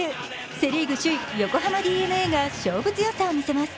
セリーグ首位、横浜ＤｅＮＡが勝負強さをみせます。